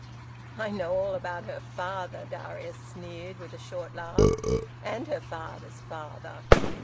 "I know all about her father," Darius sneered, with a short laugh. "And her father's father!